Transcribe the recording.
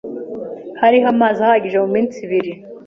Hariho amazi ahagije muminsi ibiri.